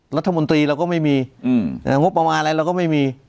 รัฐมนตรีเราก็ไม่มีงบประมาณอะไรเราก็ไม่มี